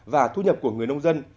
và thu nhập của người nông dân